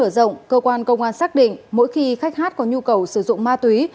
tổng cơ quan công an xác định mỗi khi khách hát có nhu cầu sử dụng ma túy